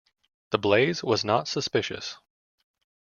The blaze was not suspicious.